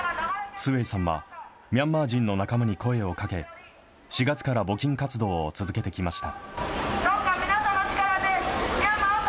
スェイさんは、ミャンマー人の仲間に声をかけ、４月から募金活動を続けてきました。